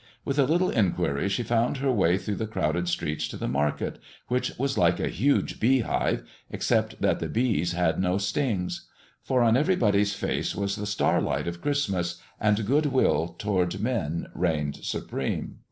With a little inquiry she found her way through the crowded streets to the market, which was like a huge beehive except that the bees had no stings. For on everybody's face was the starlight of Christmas, and good will toward men reigned supreme.